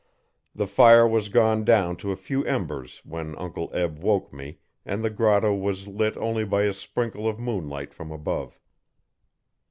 The fire was gone down to a few embers when Uncle Eb woke me and the grotto was lit only by a sprinkle of moonlight from above.